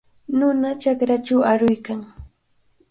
Nuna chakrachaw aruykan.